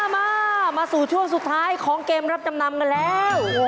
มามาสู่ช่วงสุดท้ายของเกมรับจำนำกันแล้ว